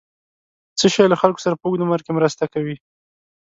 څه شی له خلکو سره په اوږد عمر کې مرسته کوي؟